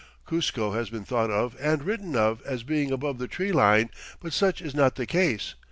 Cuzco has been thought of and written of as being above the tree line, but such is not the case.